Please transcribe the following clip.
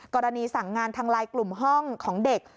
กรณีสั่งงานทางไลน์กลุ่มห้องของเด็ก